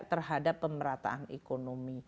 terhadap pemerataan ekonomi